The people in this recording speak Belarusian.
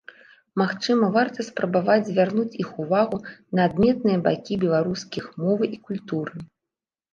Магчыма, варта спрабаваць звярнуць іх увагу на адметныя бакі беларускіх мовы і культуры.